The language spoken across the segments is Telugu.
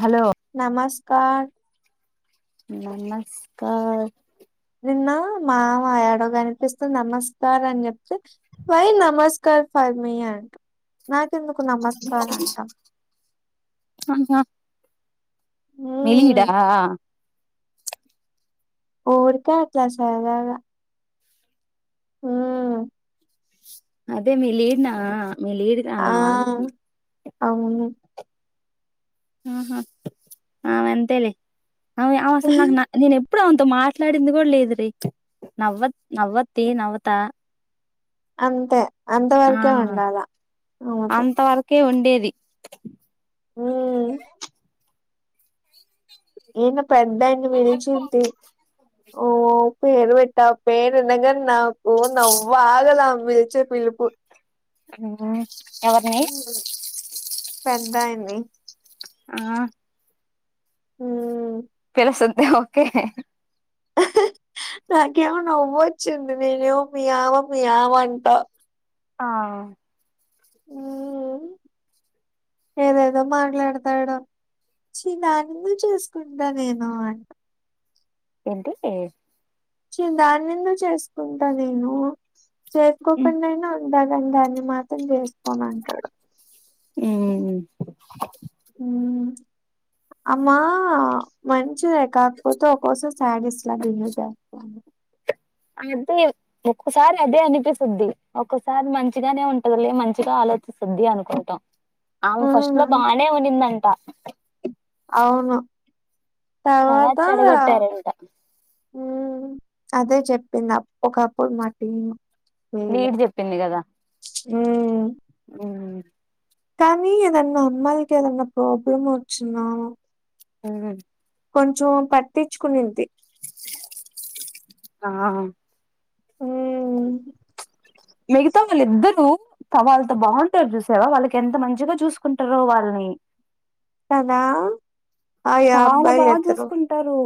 హలో నమస్కర్ నమస్కర్ నిన్న మామా యాడో కనిపిస్తే నమస్కార్ అని చెప్తే వై నమస్కార్ ఫై అంట [unintelligible] నాకెందుకు నమస్కార్ అంటా. ఆహా మ్మ్. మెలిడా ఊరికే అట్లా సరదాగా ఉమ్ అదే మీ లిడ్నా మీ లిడు ఆ అన్నాంట అవును ఆహా ఆమంతేలే ఆమె అసలు నాకు నా నేను ఎప్ అప్పుడు ఆమెతో మాట్లాడింది కూడా లేదు నవ్వత్ నవ్వతి నవత అంతే అంత వరకే ఉండాలా అమేతో కేే ఉండేది మ్మ్. ఏన్న పెద్దన్ని విలిచింది ఓ పేరు పెట్టా పేరున్నంగా నాకు నవ్వా ఆగదామే పిలిచే పిలిపు ఉహు పెద్దయింది ఆ ఉమ్ పిల సద్ది ఓకే ఉహు నాకేమో నవ్వుొచ్చింది నేనేమో మీ ఆవ మీ ఆవ అంట ఆ ఉమ్ఏదేదో మాట్లాడతాడు చి నన్ను చూసుకుంటా నేను అంట ఎంటి ఏ చిందా నన్ను చేసుకుంటా నేను చేసుకోకుండా అయినా ఉండాగానీ దాన్ని మాత్రం చేసుకోనని అంటాడు ఉమ్ ఉమ్ అమ్మా మన్ చే కాకపోతే ఒక్కసం సడిస్లా బిహేవ్ అదే ఒక్కోసారి అదే అనిపిస్తుద్ది ఒక్కసారి మంచిగానే ఉంటదిలే మంచిగా అల్ వచ్చి సిద్ది అనుకుంటాం ఆమె ఫస్ట్ లో హ్మ్. బాగానే ఉనిందంట అవును తర్వాత తవాత చెడగొట్టారంట ఉమ్ అదే చెప్పింది ఒకప్పుడు మా టీమ్ లేమీద నీట్ చెప్పింది కదా ఉమ్ కానీ ఏదన్నా అమ్మాయిలకి ఏదన్నా ప్రాబ్లం ఓచ్చినా ఉమ్ కొంచెం పట్టించుకునింది ఆ ఉమ్ మిగతా వాళ్ళిద్దరు వాళ్ళతో బాగుంటారు చూసావా వాళ్ళకి ఎంత మంచిగా చూసుకుంటారో వాళ్లని కదా అయ చాలా అబ్బా బాగా ఎత్తాడు చూసుకుంటారు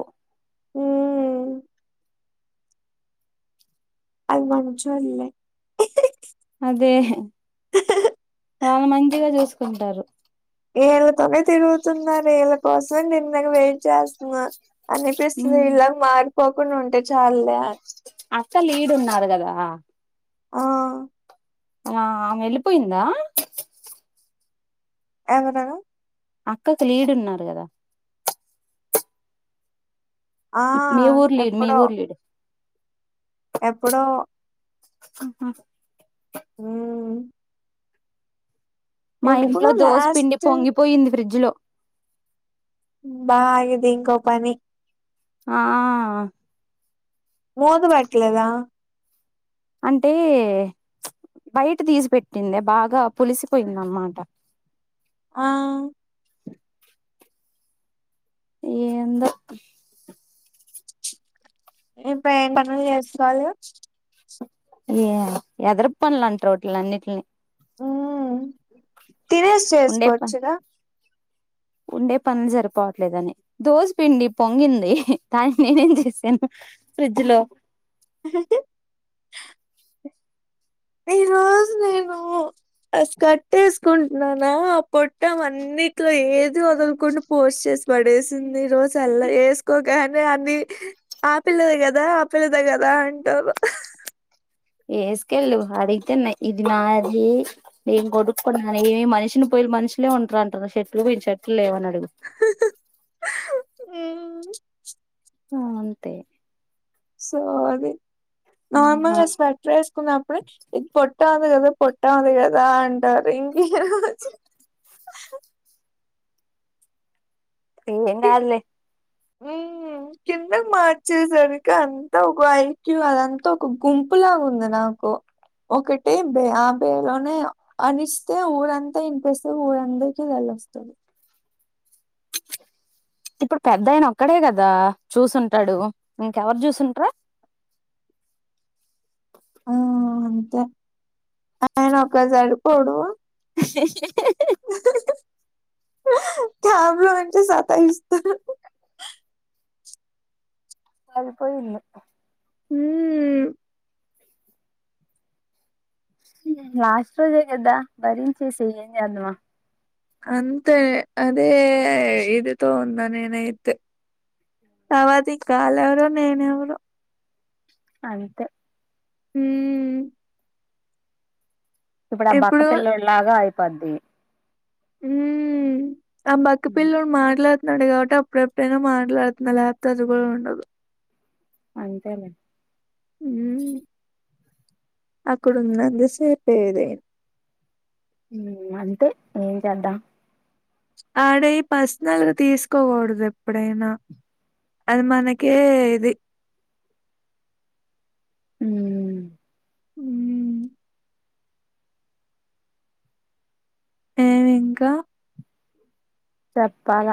అది మంచోల్లే అదే వాళ్ళు మంచిగా చూసుకుంటారు ఏళ్ళతోనే తిరుగుతున్నారు ఏళ్ళ కోసం నిన్నగా వెయిట్ చేస్తున్నా అనిపిస్తుంది ఇలాగ మారిపోకుండా ఉంటే చాలులే అని. అసలు ఈడున్నారు కదా ఆ! ఆ ఆమె ఏళ్ళిపోయిందా ఎవరూ అక్కత్లీడున్నారు కదా ఆ! మీ ఊర్లీడు మీ ఎప్పుడో, ఊరులీడు ఎప్పుడో ఆహా హ మా ఇంట్లో దోశ పిండి లాస్ట్ పొంగిపోయింది ఫ్రిడ్జ్ లో బా ఇది ఇంకోపని ఆ మూత పెట్లేదా అంటే బయట తీసి పెెట్టిందే బాగా పులిసిపోయింద అన్నమాట ఆ ఏందో ఇంకా ఏం పనులు చేసుకోవాలి ఏ ఎదరు పనులు అంటారు [unintelligible] అన్నింటిని ఉ తినేసి ఉండే పని చేసుకోవచ్చుగా ఉండే పనులు సరిపోవట్లేదని దోసి పిండి పొంగింది దానికి నేనేం చేసాను ఫ్రిడ్జ్ లో ఈ రోజు నేను స్కర్ట్ వేసుకుంటున్నానా ఆ పొట్టం అన్నీ నీక్ లో ఏది వదలుకుండా పోస్ట్ చేసి పడేసింది రోజు అల్లా వేసుకోగానే అని ఆ పిల్లదే కదా ఆ పిల్లదే కదా అంటారు వేసుకెళ్ళు అడిగితే ఇది నాది నేను కొడుకుడామి మనిషిని పోయి మనుషులే ఉంటారు అంటారు చెట్లు కొ చెట్లు లేవని అడిగు ఉమ్ ఆ అంతే సోది ఆహా నార్మల్గా స్వెటర్ వేసుకున్నప్పుడుే ఇది పొ పొట్టాంది కదా పొట్టా ఉంది కదా అంటారు ఇ ఏం కాదులే ఉమ్ కిందకి మార్చేసరికి అంతా ఒక ఐక్యూ అదంతా ఒక గుంపులాగా ఉందినా ఓ ఒకటే బే ఆ బేలోనే అనిస్తే ఊరంతా వినిపిస్తే ఊరందరిక తెలి వస్తుంది ఇప్పుడు పెద్దయన ఒక్కడే కదా చూసుంటాడు ఇంకెవరు చూసుంటార ఆ అంతే ఆయన ఒక సరిపోడు అ టాబ్ లో పెట్టీ సతాయిస్తాడు సరిపోయింది ఊమ్ లాస్ట్ రోజే కదా భరించేసి ఏం చేద్దాం అంత అదే ఇది ఈదుతూ ఉన్నా నేనైతే తర్వాత ఈ కాల్ ఎవరో నేనెవరో అంతే ఊమ్ ఇప్పుడు ఆ బక్క పిల్లోడిలాగా అయిపోద్ది ఊమ్ ఆ బక్క పిల్లోడు మాటల మాట్లాడతాడు కాబట్టి అప్పుడప్పుడైన మాటలాడుతున్న లేకాపోతే అదు కూడా ఉండదు అంతేనడి ఉమ్ అక్కడున్నంతసేపే ఇది అంతే ఏం చేద్దాం ఆడ ఈ పర్సనల్ గా తీసుకోకూడదు ఎప్పుడైనా అది మనకే ఇది హ హ్మ్. ఏమి ఇంకా చెప్పాల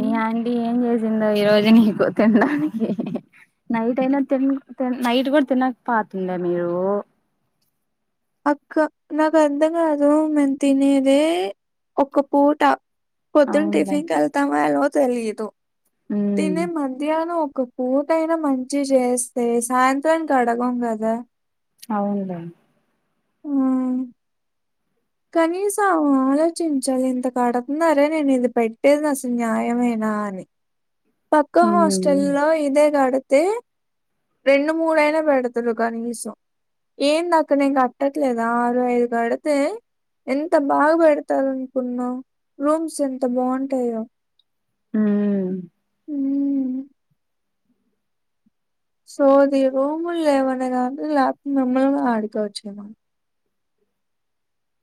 మీ ఆంటీ ఏం చేసి ఈ రోజు నీకు తినడానికి నైట్ అయినా తి నైట్ కూడా తినక పాతులే మీరు అక్క నాకు అర్థం కాదు మేం తినేదే ఒక పూట పొద్దున అవునులే టిఫిన్ కేళ్తామో లేదో తెలిదు తినే మధ్యాహ్నం ఒక పూట అయినా మంచి చేస్తే సాయంత్రానికి అడగం కదా అవును ఆ కనీసం ఆలోచించాలి ఇంత కడుతున్నారే నేను ఇది పెట్టేది అసలు న్యాయమనా నాని పక్క హాస్టల్ లో ఇదే కడితే రెండు మూడుయినా పెడతారు కనీసం ఏందక్క నేను కట్టట్లేదా ఆరు వేలు కడితే ఎంత బాగ పెడతారు అనుకున్నావు రూమ్స్ ఎంత బాగుంటాయో హ సోది రూములు లేవనే ల్యాప్ మము ఆడుక వచ్చే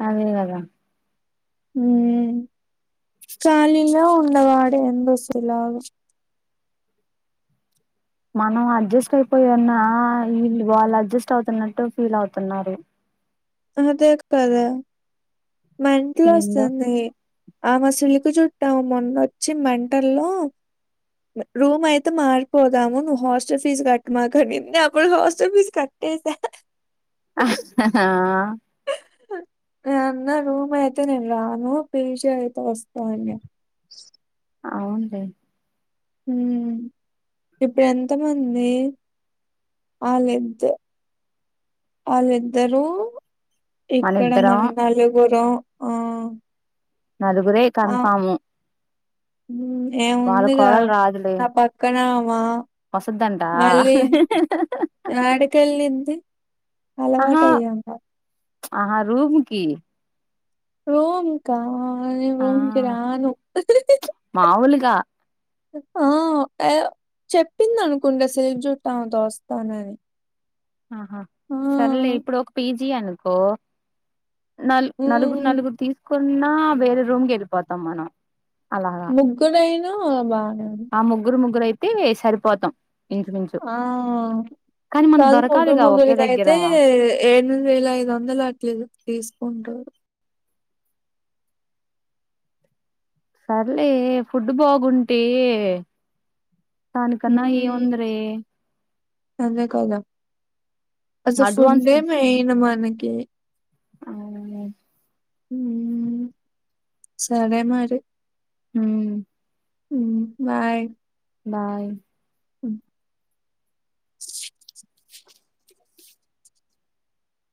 అదే కదా హ కాలిగా ఉండవాడు ఎందు [unintelligible] ఆ మనం అడ్జస్ట్ అయిపోయిన్నా వాళ్ళు అడ్జస్ట్ అవుతున్నట్టు ఫీల్ అవుతున్నారు అతే కద మెంటల్ ఏందో వస్తుంది ఆమసలుకి చుట్టాం మొన్నొచ్చి మెంటల్ల్లో రూమ్ అయితే మారిపోదాము నువ్వు హాస్టల్ ఫీజు కట్మాకనింది అప్పుడు హాస్టల్ ఫీజ్ కట్ [unintelligible] ఆ నేను అన్నా రూమాయితేనే రాను పీజీ అయితే వస్తాన్న ఆ అవున్లే హ ఇప్పుడు ఎంతమంది ఆ లేదు ఆళ్ళిద్దరూ ఇక్కడ మనిద్దరం మన నలుగురం ఆ నలుగురే ఆ! కన్ఫాము వాళ్ళ ఏముందిగా కోడలు రాదులే నా పక్కన వసద్దంట మళ్ళీ యాడికేళ్ళింది అలవాట అయ్యామా అహా రూముకి రూమ్ కా నేను ఆ రూమ్ కి రాను దా ఆ చెప్పింది అనుకుంటా సేట్ [unintelligible] వస్తానని ఆహా ఆ! సర్లే ఇప్పుడు ఒక పీజి అనుకో నల్ నలుగురు హ్మ్. నలుగురు తీసుకున్నా వేరే రూమ్ కి వెళ్ళిపోతాం మనం అలాలా ముగ్గురైనా బానే ఉంది. ఆ ముగ్గురు ముగ్గురు అయితే సరిపోతాం ఇంచుమించు ఆ! కానీ మనకు కాదు దొరక ముగ్గురు ముగ్గురిక అయితే ఏడుది వేల ఐదు వందలు అట్లేదు తీసుకుంటారు సర్లే ఫుడ్ బాగుంటే దాని కన్నా హ్మ్. ఏముందిలే అదే కదా అసలు అడ్వాన్స్ ఫుడే తీసుకుం మెయిన్ మనకి అవును సరే మరి హ బాయ్ బాయ్ కును